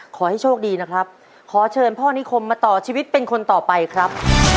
ขอให้โชคดีนะครับขอเชิญพ่อนิคมมาต่อชีวิตเป็นคนต่อไปครับ